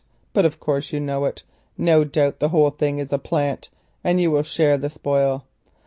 But of course you know it. No doubt the whole thing is a plant, and you will share the spoil."